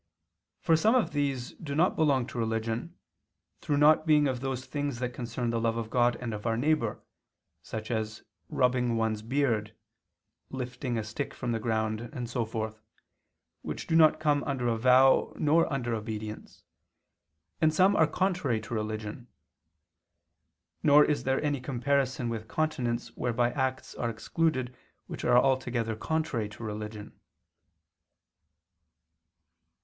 For some of these do not belong to religion, through not being of those things that concern the love of God and of our neighbor, such as rubbing one's beard, lifting a stick from the ground and so forth, which do not come under a vow nor under obedience; and some are contrary to religion. Nor is there any comparison with continence whereby acts are excluded which are altogether contrary to religion.